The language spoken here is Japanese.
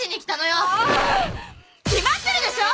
もう決まってるでしょ。